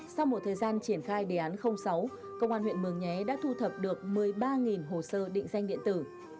sau một thời gian triển khai đề án sáu công an huyện mường nhé đã thu thập được một mươi ba hồ sơ định danh điện tử